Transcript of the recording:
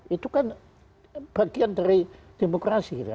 itu kan bagian dari demokrasi